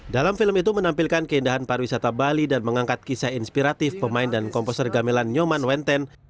dalam film itu menampilkan keindahan pariwisata bali dan mengangkat kisah inspiratif pemain dan komposer gamelan nyoman wenten